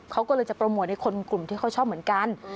เขาก็เลยจะโปรโมทให้คนกลุ่มที่เขาชอบเหมือนกัน